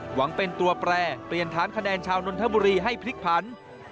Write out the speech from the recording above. หวังเป็นตัวแปรเปลี่ยนฐานคะแนนชาวนนทบุรีให้พลิกผัน